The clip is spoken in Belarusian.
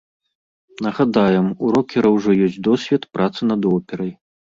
Нагадаем, у рокера ўжо ёсць досвед працы над операй.